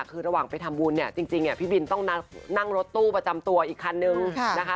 คือระหว่างไปทำบุญเนี่ยจริงพี่บินต้องนั่งรถตู้ประจำตัวอีกคันนึงนะคะ